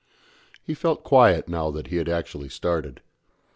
He felt quiet now that he had actually started.